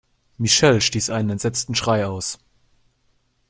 Michelle stieß einen entsetzten Schrei aus.